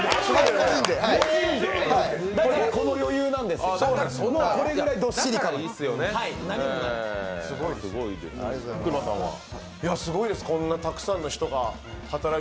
この余裕なんですよ、これぐらいどっしりして。